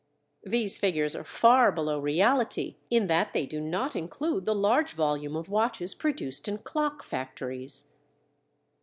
These figures are far below reality in that they do not include the large volume of watches produced in clock factories.